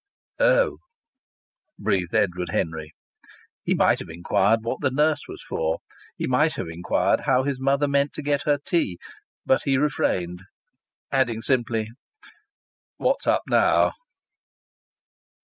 "Oh!" breathed Edward Henry. He might have inquired what the nurse was for; he might have inquired how his mother meant to get her tea. But he refrained, adding simply, "What's up now?"